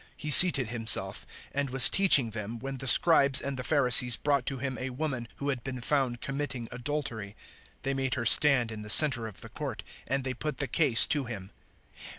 He seated Himself; 008:003 and was teaching them when the Scribes and the Pharisees brought to Him a woman who had been found committing adultery. They made her stand in the centre of the court, and they put the case to Him.